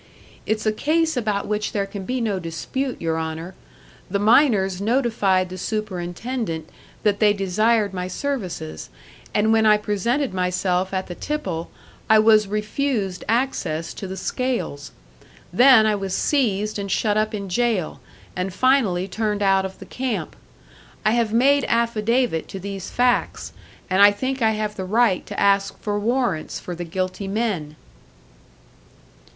It's a case about which there can be no dispute, your Honour the miners notified the superintendent that they desired my services, and when I presented myself at the tipple, I was refused access to the scales; then I was seized and shut up in jail, and finally turned out of the camp. I have made affidavit to these facts, and I think I have the right to ask for warrants for the guilty men."